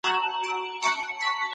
د بابا شینکیه زما ډېر خوښېږي.